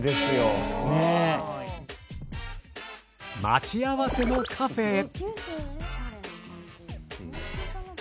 待ち合わせのカフェへ。